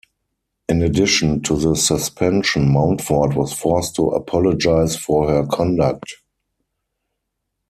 In addition to the suspension Mountford was forced to apologise for her conduct.